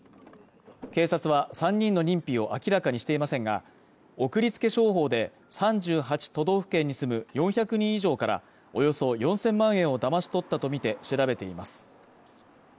警察は３人の認否を明らかにしていませんが送りつけ商法で３８都道府県に住む４００人以上からおよそ４０００万円をだまし取ったとみて調べています